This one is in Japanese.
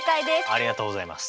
ありがとうございます。